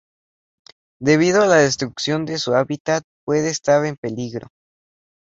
Debido a la destrucción de su hábitat puede estar en peligro.